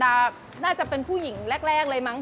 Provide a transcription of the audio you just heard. น่าจะเป็นผู้หญิงแรกเลยมั้ง